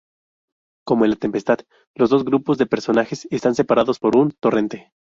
Como en "La tempestad", los dos grupos de personajes están separados por un torrente.